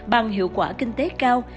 bằng hiệu quả kinh tế cao